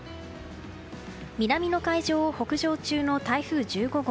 南の海上を北上中の台風１５号。